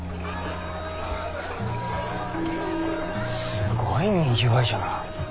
すごいにぎわいじゃな。